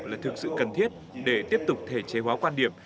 là thực sự cần thiết để tiếp tục thể chế hóa quan điểm